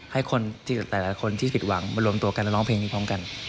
ให้คนที่หลายคนแต่ละคนที่ผิดหวังมารวมตัวกันแล้วร้องเพลงนี้พร้อมกัน